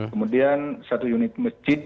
kemudian satu unit masjid